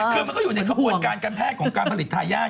คือมันก็อยู่ในขบวนการการแพทย์ของการผลิตทายาท